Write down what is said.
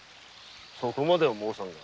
そこまでは申さぬ。